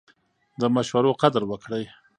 د مشورو قدر وکړئ.